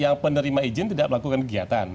yang penerima izin tidak melakukan kegiatan